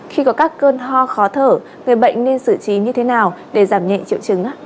khi có các cơn ho khó thở người bệnh nên sử trí như thế nào để giảm nhẹ triệu chứng